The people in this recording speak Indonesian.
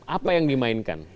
apa yang dimainkan